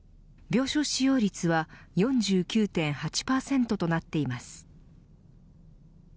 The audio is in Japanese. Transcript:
病床使用率は４９．８％となっています。